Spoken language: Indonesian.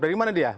dari mana dia